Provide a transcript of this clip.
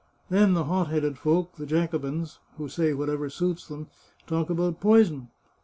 Then the hot headed folk, the Jacobins, who say whatever suits them, talk about poison.